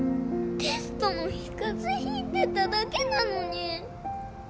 テストの日風邪ひいてただけなのに